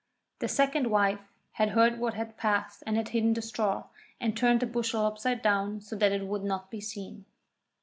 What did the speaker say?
The second wife had heard what had passed and had hidden the straw, and turned the bushel upside down so that it would not be seen.